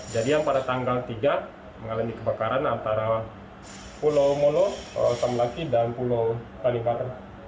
jadi yang pada tanggal tiga mengalami kebakaran antara pulau moulu kepulauan tanimbar dan pulau tanimbar